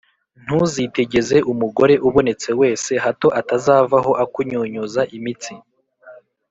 Ntuzitegeze umugore ubonetse wese, hato atazavaho akunyunyuza imitsi